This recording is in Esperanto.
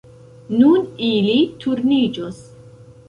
Nun ili turniĝos.